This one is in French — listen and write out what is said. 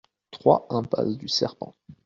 trois impasse du Serpent